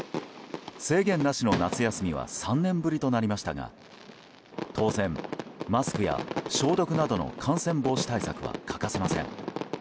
制限なしの夏休みは３年ぶりとなりましたが当然、マスクや消毒などの感染防止対策は欠かせません。